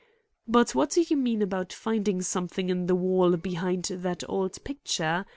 "But what do you mean about finding something in the wall behind that old picture?